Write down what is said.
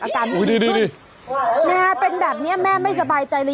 อาการพีชขึ้นแม่เป็นแบบนี้แม่ไม่สบายใจเลย